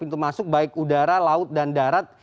pintu masuk baik udara laut dan darat